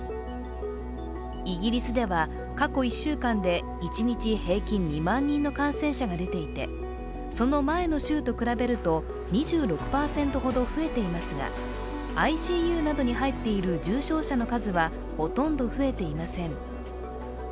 イギリスでは過去１週間で一日平均２万人の感染者が出ていて、その前の週と比べると２６％ほど増えていますが、ＩＣＵなどに入っている重症者の数はほとんど増えていません。